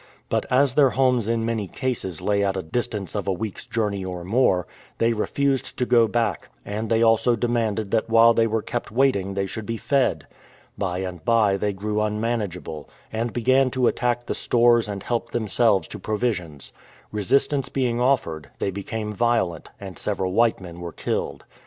But as their homes in many cases lay at a distance of a week's journey or more, they refused to go back, and they also demanded that while they were kept waiting they should be fed. By and by they grew un manageable, and began to attack the stores and help themselves to provisions. Resistance being offered, they became violent, and several white men were killed.